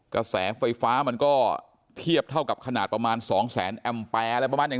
กระแสไฟฟ้ามันก็เทียบเท่ากับขนาดประมาณ๒แสนแอมแปรอะไรประมาณอย่าง